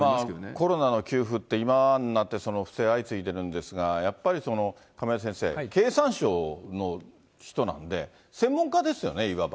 コロナの給付って、今になって、不正相次いでいるんですが、やっぱり亀井先生、経産省の人なんで、専門家ですよね、いわば。